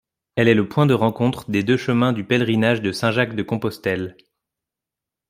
Elle est le point de rencontre de deux chemins du pèlerinage de Saint-Jacques-de-Compostelle.